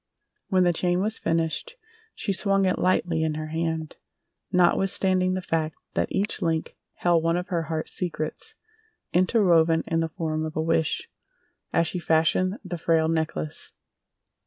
When the chain was finished she swung it lightly in her hand, notwithstanding the fact that each link held one of her heart secrets interwoven in the form of a wish, as she fashioned the frail necklace.